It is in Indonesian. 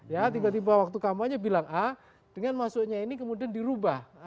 ya tiba tiba waktu kampanye bilang a dengan masuknya ini kemudian dirubah